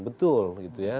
betul gitu ya